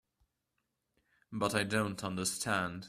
But I don't understand.